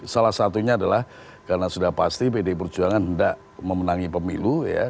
salah satunya adalah karena sudah pasti pdi perjuangan hendak memenangi pemilu